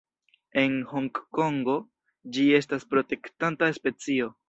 En Hongkongo, ĝi estas protektata specio.